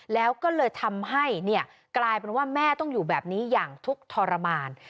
แล้วก็เลยทำให้กลายเป็นว่าแม่ต้องอยู่แบบนี้อย่างทุกข์ทรมาน